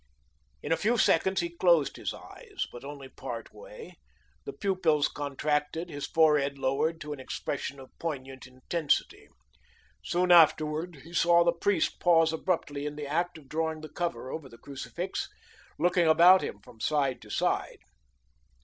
In a few seconds he closed his eyes, but only part way. The pupils contracted; his forehead lowered to an expression of poignant intensity. Soon afterward he saw the priest pause abruptly in the act of drawing the cover over the crucifix, looking about him from side to side.